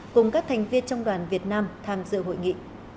cùng các thành viên trong đoàn việt nam tham dự hội nghị